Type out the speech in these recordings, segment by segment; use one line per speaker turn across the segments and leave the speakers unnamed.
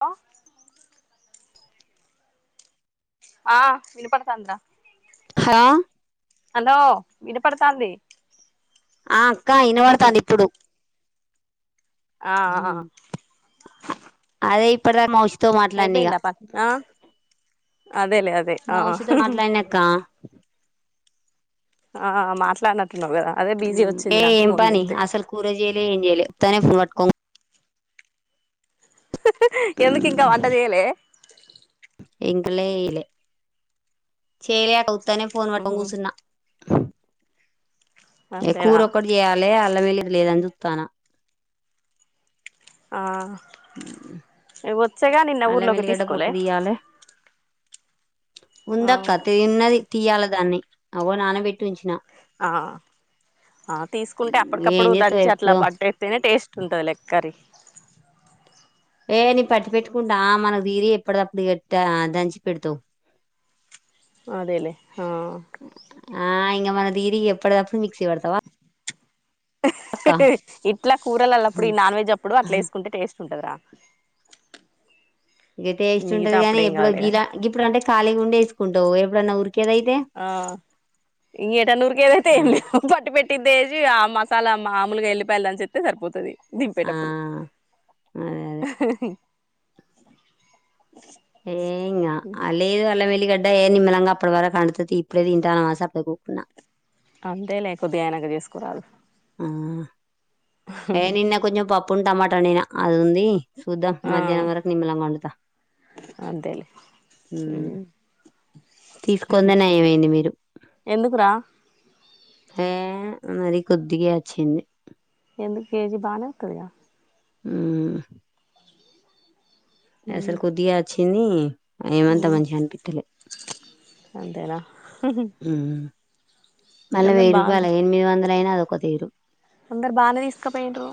హ ఆ వినుపడతంద్ర
హ
హలో వినపడతాంది.
ఆ అక్కా ఇనబడతాంది ఇప్పుడు
ఆ అ
అదే ఇప్పుడుద మౌస్
అయిపోయిందా పా ఆ అదేలేే అదే
మౌషితో
ఆహహ్
మాట్లాడినక్క
ఆ మాట్లాడన
ఏ ఏం పని అసలు కూర చేయ్యలే ఏం చేయలేప్తానే ఫోన్ పట్టుకో
హహ్ ఎందుకు ఇంకా వంటది ఏలే
ఎంగలెయ్లే చేలే అక్క ఉత్తానే ఫోన్ పటం
ఉహు
గూసున్న ఏ
అంతేనా
కూరొక్కటి చేయాలి అళ్ళ మీలి ఇది లేదని చూతాను
ఆ ఏ వచ్చేగా నిన్న
అల్లం
ఊర్లోకి
వెల్లిగడ్డ
తీసుకోలే
ఉందాక్క తేయన్నది తీయాల దాన్ని అగో నానబెట్టి ఉంచిన
ఆ ఆ తీసుకుంటే
ఏం
అప్పటికప్పుడు
చేస్తావు
దంచి అట్లా
ఎప్పుడో
పట్ట ఎతేనే టేస్ట్ ఉంటది లెక్కరి
ఏ నీ పట్టి పెట్టుకుంటా మనకు తిరి ఎప్పుడప్పుడు కట్ట దంచి పెడతువు.
అదేలే ఆ
ఆ ఇంగ మనది ఇరిగి ఎప్పుడుదాప్పుడు మిక్సీ పడతవా?
హ్హ్ ఇట్లా కూరలు అల్లప్పుడు ఈ నాన్ వెజ్ అప్పుడు అట్లా వేసుకుంటే టేస్ట్ ఉంటదరా
ఏ టేస్ట్ ఉంటది గానీ ఎప్పుడో
కదా
గిలా ఇప్పుడు అంటే ఖాళీ గుండే వేసుకుంటావు ఎప్పుడైన్నా ఉరికి
ఆ ఇ ఏటన్నూరు కేదైతే ఏంలేవు పట్టి పెటి పట్టి తేజి ఆ మసాలా మాములుగా ఎల్లిపాయలు దంచిత్తే సరిపోతది.
ఆ
దింపేటప్పుడు
అదే అదే
హ్హ్
ఏంగా అ లేదు అల్లం వెల్లి ఎల్లి గడ్డ ఏ నిమ్మలంగా అప్పుడు వర కడుతది ఇప్పుడే ఇంటాన వాస అప్పుడ కూకున్నా
అంతే లే కొద్దిగా ఎనక చేసుకురాలి
ఆ ఏ నిన్న కొంచెం పప్పు ఉ టమాటా నేనా అది ఉంది. చూద్ధం
ఆ
మధ్యాహ్నం వరకు నిమ్మలంగా ఉంట
అంతేలే
మ్
మ్మ్
తీసుకుంద నయమైంది మీరు
ఎందుకురా
హె మరి కొద్దిగా వచ్చింది.
ఎందు కేజీ బానేట్టుదిగా
ఆ
మ్మ్
అసలు కొద్దిగా వచ్చింది ఏమంతా
మ్మ్
మంచిగా అని పిత్తలే
అంతేనా
హ మళ్ళీ
అందరు
వెయ్యి
బాన్
రూపాయల ఎనిమిది వందల అయినా అదొక తీరు
అందరు బానే తీసుకపోయిండ్రు.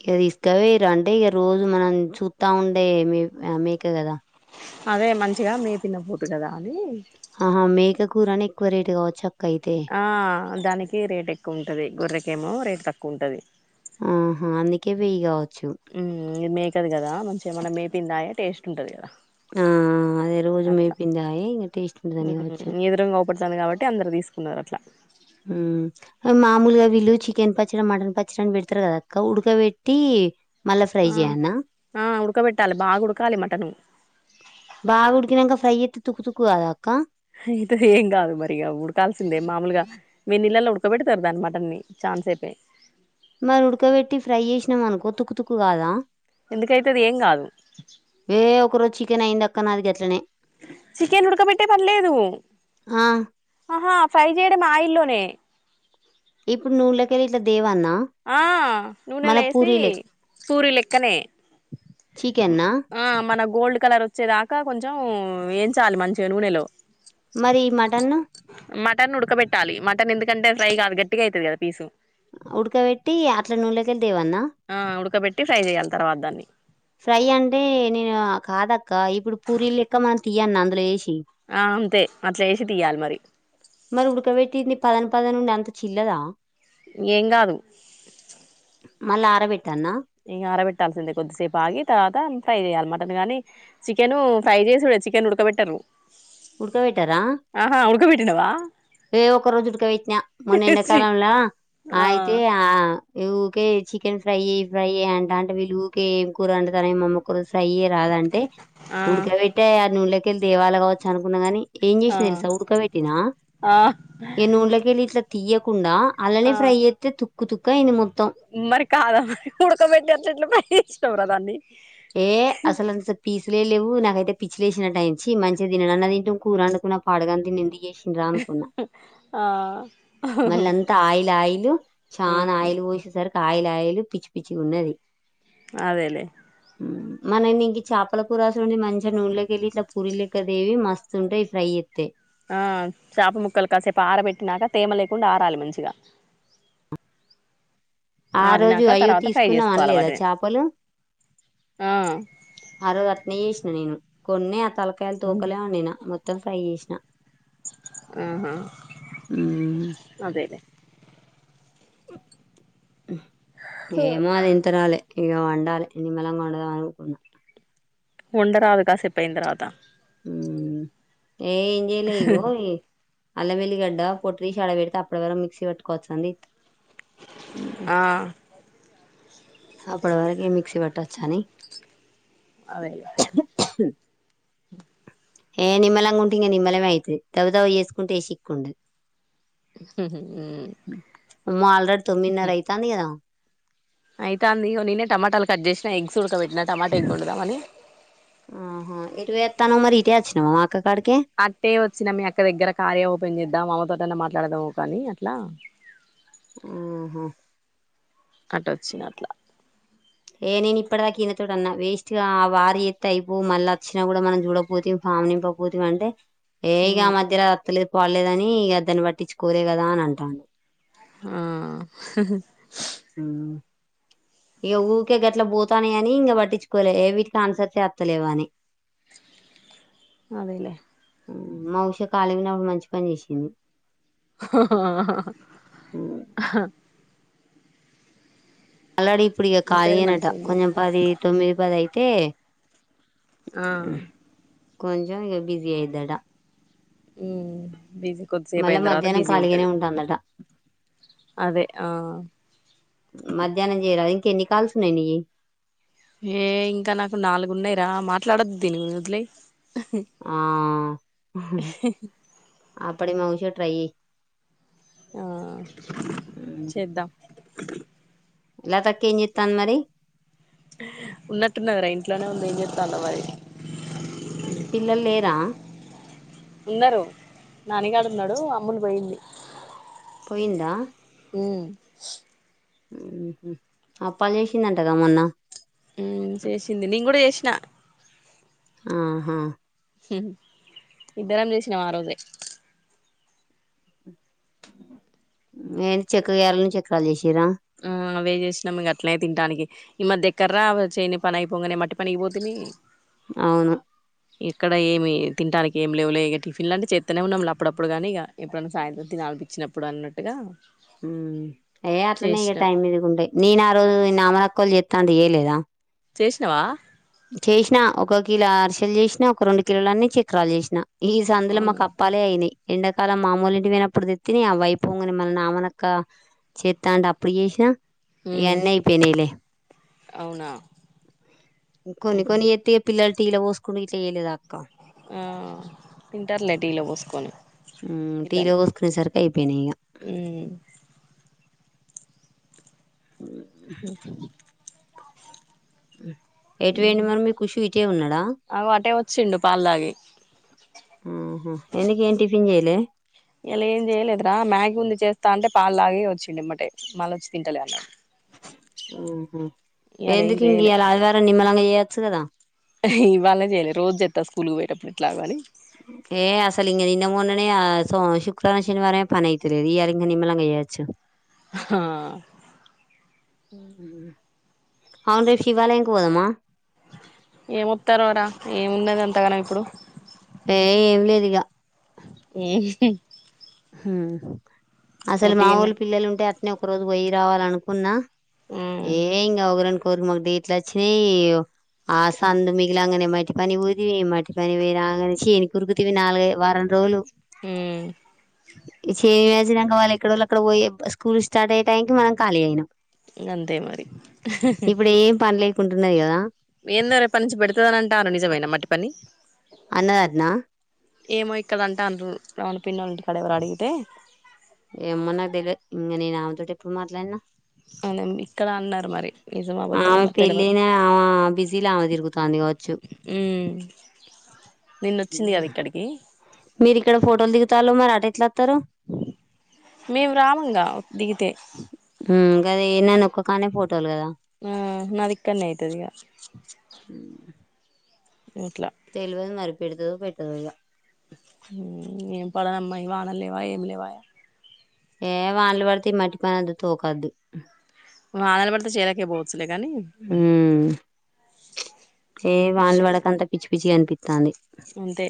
ఇక తీసుకవేరు అంటే ఇక రోజు మనం చూస్తా ఉండే మె మేక కదా
అదే మంచిగా మే తిన్న ఫుడ్ కదా అని
ఆహా మేక కూరనెఎక్కువ రేటు కావచ్చ
ఆ దానికి రేటు ఎక్కువ ఉంటది గొర్రెకేమో రేటు తక్కువుంటది
కివియ్ గా
ఉ ఇది మేకది గదా మంచిగా మనం మేపిందయే టేస్ట్ ఉంటది గదా
ఆ అదే రోజు మేపిందయి ఇంగ టేస్ట్ంటదని గావచ్చు
ఎదురుంగా అవుపడుతుంది కాబట్టి అందరు తీసుకున్నారు అట్లా
మామూలుగా వీళ్ళు చికెన్ పచ్చడి మటన్ పచ్చడని పెడతారు కదాక్క ఉడకబెట్టి మళ్ళా ఫ్రై
ఆ
చేయనా
ఆ ఉడకబెట్టాలె బాగుడకాలి మటను
బాగుడికినంక ఫ్రై చేత్తే తుక్కు తుక్కు కాదా అక్క
అయితది ఏం గాదు మరిగా ఉడకాల్సిందే మామూలుగా వెన్నీళ్లల్లా ఉడ్ ఉడకబెడతార్ దాన్ని మటన్ని చాన్సేపె
మరి ఉడకబెట్టి ఫ్రై చేసినాం అనుకో తుక్కు తుక్కు కాదా
ఎందుకైతే అది ఏం కాదు
ఎ ఒక రోజు చికెన్ అయిందక్క నాది గట్లనే
చికెన్ ఉడకబట్టే పన్లేదు
ఆ
ఆహా ఫ్రై చేయడం ఆయిల్ మే
ఇప్పుడు నూన్లకెళ్ళి ఇట్ల దేవా
ఆ నూనె లేసి పూరి లెక్కనే
చికెన్నా
ఆ మన గోల్డ్ కలర్ వచ్చేదాకా కొంచం ఉమ్ ఏంచాలి మంచిగ నూనెలో
మరి మటన్
మటన్ ఉడకబెట్టాలి మటన్ ఎందిక్ కంటే ఫ్రై కాదు గట్టిగైతది కదా పీసు
ఉడకబెట్టి అట్లా నూన్లకెళ్
ఆ ఉడకబెట్టి ఫ్రై చేయ్యాలి తర్వాత దాన్ని
ఫ్రై అంటే నేను కాదక్క ఇప్పుడు పూరీలెక్క మనం తీయ్యన్న అందులో ఎసి
ఆ అంతే అట్లేశి తీయ్యలి మరి
మరి ఉడకబెట్టిందిీ పదన్ పదనుండి అంత చిల్లదా
ఏం గాదు
మళ్ళ అర పెట్
ఇగా ఆరబెట్టాల్సిందే కొద్దిసేపు ఆగి తర్వాత ఫ్రై చేయాలి మ పద్దు గాని చికెను ఫ్రై చేసుడే చికెన్ ఉడకబెట్టరు
ఉడుకపెట్టారా
వా
ఏ ఒక్క రోజు ఉడికపెట్టిన మొన్నెండాకాలంల
ఆ
అయితే ఆ ఇ ఉ కేజీ చికెన్ ఫ్రై ఫ్రై అంటంటే వీళ్లుకే ఎం కూర అండుతరేమ్మమ్మి ఒక్క రోజ్ ఫ్రై రాదంటే
ఆ
ఉడకబెట్టే ఆ నూనెలకెళ్ళి దేవాల కావచ్చు అనుకున్నా గాని ఏం
ఆ
చేసినా తెలుసా ఉడకబెట్టినా
ఆ
ఎ నూనెల కెళ్ళి ఇట్ల తీయ్యకుండా అల్లనే
ఆ
ఫ్రై చేత్తే తుక్కు తుక్క అయ్యింది మొ
మరి కాదా మరి ఉడకబెట్టి అట్లెట్ల ఫ్రై చేసినావ్ రా దాన్ని
ఏ అసల్ పీసులే లేవ్వు నాకైతే పిచ్చిలేసినట్టాయింది చి మంచిగా తినన్న తింటుం కూర అండుకున్నా పాడుగాన్ దిన్నిండి ఎశిన్రా అనుకున్నా
ఆ
మళ్ళ అంతా ఆయిల్ ఆయిల్ చానాయిల్ పోసేసరిక్ ఆయ్లాయలు పిచ్చి పిచ్చి గున్నది
అదేలేే
మనం గింగి చేపల కూరసొండిద్ మంచిగా నూనెలోకెళ్ళి ఇట్లా పూరీలెక్కదేవి మస్తు ఉంటాయి ఫ్రై చేత్తే
ఆ చాప ముక్కలు కాసేపు ఆరబెట్టినాక తేమ లేకుండా ఆరాలి మంచిగా
అ ఆరోజు
ఆరినాక
అయ్యో
తర్వాత ఫ్రై
తీసుకున్నా
చేసుకోవాలి
అనలేదా
వాటిని
చేపలు
ఆ
ఆరోజ అట్టనేసిన నేను కొన్ని ఆ తలకాయలు తూకలే వండినా మొత్తం ఫ్రై చేసిన
ఆహా
ఉమ్
అదేలే
ఏమో అది ఇంతరాలి ఇగ వండాలి నిమ్మలంగా వండదాం అనుకున్నా
ఉండరాదు కాశె పయిన తర్వాత
ఉమ్ ఏ ఇంజలేగో ఏ అల్ల వెల్లిగడ్డ పొట్టితీసి ఆడ పెడితే అప్పటి వరం మిక్సీ పట్టుకోవచ్చు అంది
ఆ
అప్పుడ వరకి ఈ మిక్సీ బట్టచ్చాని
అదేలే
ఏ నిమ్మలంగా ఉంటే ఇంకా నిమ్మలమే అయితది దవ తవ చేసుకుంటేసిక్కుండదు మ్ ఆల్రెడీ తొమ్మిదిన్నర అయితాంది గద
అయితే అందినేనే టమాటాలు కట్ చేసినా, ఎగ్స్ ఉడకబట్టినా టమాటా ఎగ్గు వండుదామని
ఆహ ఏటు ఎత్తనావ్ మరి ఇటేచ్చిన మామ్
అట్టే వచ్చినా మీ అక్క దగ్గర కార్యఓపెన్ చేద్దాం అమతో ఏదన్న మాట్లాడదాము కానీ అట్లా
ఆహా
అట్ట వచ్చిన అట్లా
ఏ నేను ఇప్పటిదాక ఇయనతోటి అన్నా వేస్ట్గా ఆ వారి ఎత్తే అయిపోవు మళ్ళ వచ్చినా కూడా మనం చూడపోతే ఫామ్ నింప పూతిమంటే ఏ ఇగ
ఉమ్
ఆ మధ్యలో అత్తలేదు పోడలేదని ఇక అద్దన్ని పట్టించి కోలే కదా అని అంటాను.
ఆహ్హ్
ఆ ఏ ఊకే గట్లా పోతానే అని ఇంక పట్టించుకోలే ఏ వీటికి ఆన్సర్ చేత్తలేవని
అదేలే
మావిశ కాలిగేనే ఓ మంచి పని చేసింది.
హ్హ్ హహ అహ్
అల్లాడి ఇప్పుడు ఇగ ఖాళీ
ముసలిది
అనట
మంచిగా ఉంది
కొంచెం పది తొమ్మిది పది అయితే
ఆ
కొంచెం ఇగ బిజీయదడా
మ్ బిజీ కొద్దిసేపు
మళ్ళా
అయిన తర్వాత
మధ్యాహ్నం
బిజీ
ఖాళీగానే
ఉంటది.
ఉంటుందట
అదే ఆ
మధ్యాహ్నం చేయరా ఇంక ఎన్ని కాల్సు ఉన్నాయి నియ్యి?
ఏ ఇంకా నాకు నాలుగున్నాయిరా మాట్లాడొద్ దీనిగూ వదిలై హ్హ్
ఆ
హెహి
ఆప్పుడే మౌన్స్ ట్రైయి
ఆ చేద్దాం
లతక్క ఏం జెట్టంది మరి?
ఉన్నట్టుఉన్నదిరా ఇంట్లోనే ఉంది ఏం జెత్తందో మరి
అ పిల్లలు లేరా?
ఉన్నారు నానిగాడు ఉన్నాడు అమ్ములు పోయింది
పోయిందా?
అ
అప్పాలు చేసిందంటగా మొన్న
చేసింది నేను కూడా చేసిన
ఆహా
ఇద్దరం చేసినాం ఆ రోజే
ఏంటి చెక్క గారెలు చక్రాలు చేసిర్రా
ఆ అవే చేసినా మీ అట్నే తింటానికి ఈ మధ్య ఎగ్గర్రా చేని పని అయిపోగానే మట్టి పని అయిపోతుయి
అవును
ఇక్కడ ఏమి తినడానికి ఏమి లేవు లే ఇక టిఫిన్ లాంటి చేస్తనే ఉన్నాం అప్పుడప్పుడు నీ ఇక ఎప్పుడైనా సాయంత్రం తినాలి అనిపించ్చినప్పుడు అన్నట్టుగా
ఏ అట్లనే ఇక
చేసినాం
టైం మీదిగుంటాయి నేను ఆ రోజు చకలు జతది జేయలేదా
చేసినవా
చేసిన ఒక కిలో అరుసెలు చేసిన ఒక రెండు కిలోలన్నీ చక్రాలు చేసిన ఈ సందులో మాకు
అవును
అప్పాలే అయినాయి ఎండాకాలం మామూలు ఇంటికి పోయినప్పుడు తెత్తని ఆ వై పొంగగానే నామనక్క చేత్తా అంటే అప్పుడు చేసినా ఇంకా
ఉమ్
అన్ని అయిపోయినైయిలే
అవునా
కొన్ని
ఉహు
కొన్ని ఎత్తే పిల్లల ఇలా పోసుకుంటూ ఇట్లా చేయలేదు అక్క
ఆ తింటారు లే టీలో పోసుకొని
ఉ టీలో
పిల్లలు
కోసుకునే సరికి అయిపోయినా ఇక
ఉమ్
ఆ ఆ ఎటు పోయిండు
ఉమ్
మరి మీ కృషి ఇట్టే ఉన్నాడా
అగో అటే వచ్చిండు పాలు తాగి
ఓహో ఎందుకు ఏ టిఫిన్ చేయలే
ఇలా ఏం చేయలేదురా మ్యాగీ ఉంది చేస్తా అంటే పాలులాగి వచ్చిడిమ్మాటే మళ్ళ వచ్చి తింటలే అన్నాడు
హ
ఇయాల ఏం
ఎందుకు ఇక ఇయాల ఆదివారం నిమ్మలంగా చేయొచ్చు కదా
ఇవాళ చేయ్యలే రోజు చెస్తా స్కూల్కి పోయేటప్పుడు ఇట్లాగాని
ఏ అసలు ఇం నిన్న మొన్ననే శుక్రారం శనివారంమే పనైతలేదు ఇయాల నిమ్మల్లాంగా వచ్చు
హ
అవును రేప్ శివాలయంనికి పోదమా
ఏమొస్తారురా ఏముంనది అంతాగానం ఇప్పుడు
ఏ ఏం లేదు ఇక
ఆ
ఉమ్ అసలు
ఉట్టిగనే
మావోల్లు పిల్లలు ఉంటే అట్నే ఒక రోజు పోయ్యి రావాల అనుకున్నా
ఉమ్
ఏ ఇంకా ఒకరని కోరు మాకుట్లా వచ్చినయి ఆ సందు మిగిలి అనే మటి పని పోతీవి మటి పని పోరా అనే చేనికి కురుకుతవి నాలుగ వారం రోజులు
ఉ
చేమి మజినాక వాళ్ళ ఎక్కడోళ్ళు అక్కడ పోయి స్కూల్ స్టార్ట్ అయ్యే టైం మనం ఖాలి అయినాం
అంతే మరి
అప్పుకుంటున్నాయి కదా
ఏంద రేపనించి పెడుతుందని అంటారు నిజమైన మట్టి పని
అన్నడంట
ఏమో ఇక్కడ అంటాండ్రు
ఏమ నాకు తెలిదీ ఇంకా నేను ఆమెతో ఎప్పుడు మాట్లాడినా
ఇక్కడ అన్నారు మరి నిజమో అబద్దమో
అమె
మరి తెలవదు
పిళ్లిన ఆమె బిజీలో ఆమె తిరుగుతోంది వచ్చు
ఊ నిన్న వచ్చింది కదా ఇక్కడికి
మీరు ఇక్కడ ఫోటోలు దిగుతాలు మరి అటెట్లా వత్తరు
మేము రామంగా దిగితే
గది నే నొక్క కానే ఫో టోలద
ఆ నాది ఇక్కడనే అయితది ఇగ అట్లా
తెలివది మరి పెడుతదో పెట్టదొ
ఏం పడనమ్మాయి వాన లేవా ఏమి లేవాయా
ఏ వాన్లు పడ్తే మట్టి పనంతా తోకాదు
వానలు పడితే చెల్లకే పోవచ్చు లే కాని
ఉమ్ ఏ వాన్లు వాడకంత పిచ్చి పిచ్చి కనిపిత్తాంది
అంతే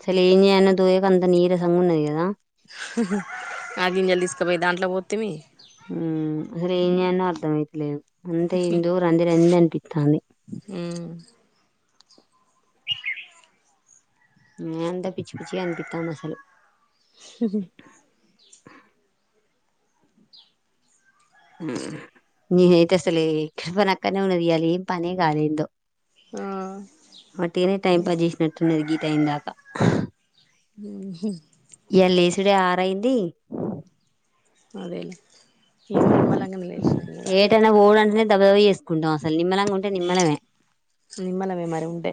అసలు ఏం చేయన్నా దోయక అంత నీరసంగా ఉన్నది కదా
అదింక తీసుకపోయి దాంట్లో పొత్తిమ్మి
ఉమ్ అసలు ఏం చేయాల్నో అర్థం అయిత లేదు అంతే ఇందు రండి రండి అనిపిత్తాంది
ఉమ్
ఏ అంతా పిచ్చి పిచ్చిగా అనిపిత్తాంది అసలు
స
నేనైతే అసలి పక్కనే ఉన్నదియాలి పనే కాలే ఏందో
ఆ
మట్టినే టైం పాస్ చేసినట్టు ఉన్నది గీ టైమ్ దాక
ఉహు
ఇయాల లేసుడే ఆరైంది
అదేలే ఎమో నిమ్మలంగా లెష్ణ
దబ్బదబ చేసుకుంటాం అసలు నిమ్మలంగా ఉంటే నిమ్మలమే
నిమ్మలమే మర ఉంటే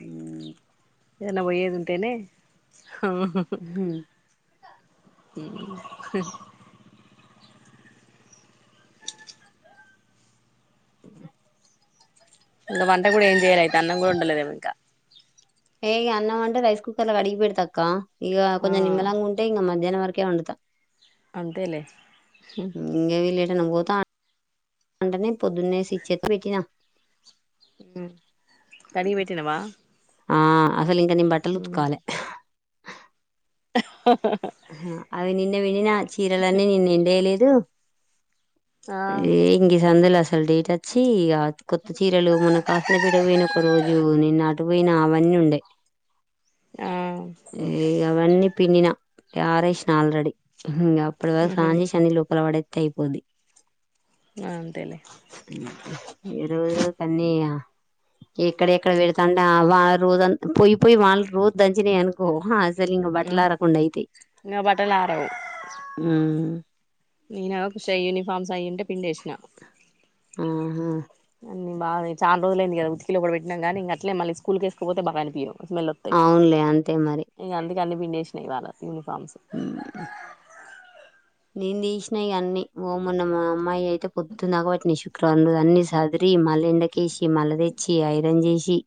ఊ
ఎటైనా పోయేదుంటేనే
ఉహుం.
ఇంగ వంట కూడా ఏం చేయ్యాల అయితే అన్నం కూడా ఉండలే దే ఇంకా
ఏ గా అన్నమంటే రైస్ కుక్కర్ లో కడిగి పెడతా అక్క ఇగ
ఆ
కొంచెం నిమ్మలంగా ఉంటే ఇంగ మం మధ్యానం వరకే వండుతా
అంతేలేే
ఎటైనా పోత అంటనే పొద్దున్నే సెచ్చిన
కడిగి పెట్టినావ
ఆ అసలు ఇంక నే బట్టలు ఉతకాలే
హ
అవి నిన్న విండిన చీరలన్నీ నిన్న ఎండేయలేదు
ఆ
ఏ గి సందులో అసలు డేట్ వచ్చి ఆ కొత్త చీరలు మొన్న కాసన్న పెటకు పోయినా ఒక రోజు నిన్న అటుపోయినా అవన్ ఉండె
ఆ
ఏ అవన్నీ పిన్నినా ఆరేషిన ఆల్రెడి ఇంగ అప్పటి వరకు
ఉహు
స్నానం చేసి లోపల పడేత్తే అయిపొద్దు
అంతేలే
ఈరోజు తన్నిగా ఎక్కడెక్కడ వెళతాంటే ఆ వా రోజంత్ పోయి పోయి వాళ్ళ రోజు దంచినయి అనుకో సలు ఇం బట్టలారకుండా అయితే
ఇంకా బట్టలు
ఉమ్
నేనా చేయని పాపచ్చియింటే
ఆహా
బావే చాల రోజులు అయింది గదా ఉతికిలో కూడా పెట్టినా గానీ ఇగ అట్లే మళ్ళి స్కూల్ వేసుకపోతే భావానికి ఇయరు.
అవునులే అంతే మరి
కన్ని పిండేసిన ఇవాల యూనిఫార్మ్స్
నేను తీసినాయి అన్నీ ఓమున్న మా అమ్మాయి అయితే పొద్దున్న నాకబట్టిని రందు అన్ని సదిరి మల్ల ఎండకేసి మళ్ల తెచ్చి ఐరన్ చేసి